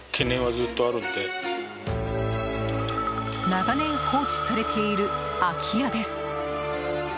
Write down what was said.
長年、放置されている空き家です。